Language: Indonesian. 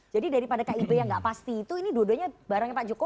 jadi daripada kib yang nggak pasti itu ini dua duanya barangnya pak jokowi